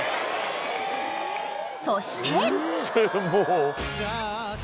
［そして］